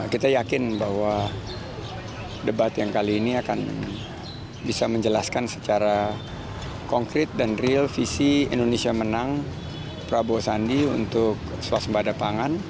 kita yakin bahwa debat yang kali ini akan bisa menjelaskan secara konkret dan real visi indonesia menang prabowo sandi untuk swasembada pangan